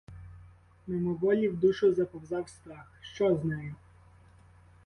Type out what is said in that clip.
Мимоволі в душу заповзав страх — що з нею?